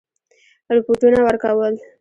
رپوټونه ورکول.